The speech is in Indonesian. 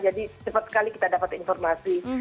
jadi cepat sekali kita dapat informasi